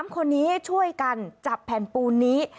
๓คนนี้ช่วยกันจับแผ่นปูนนี้